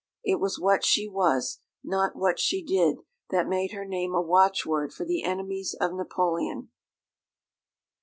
It was what she was, not what she did, that made her name a watchword for the enemies of Napoleon."